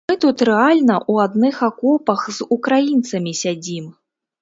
Мы тут рэальна ў адных акопах з украінцамі сядзім.